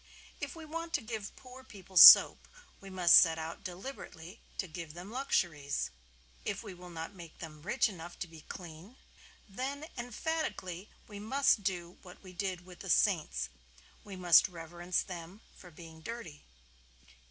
If we want to give poor people soap we must set out deliberately to give them luxuries. If we will not make them rich enough to be clean, then emphatically we must do what we did with the saints. We must reverence them for being dirty.